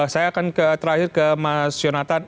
saya akan terakhir ke mas yonatan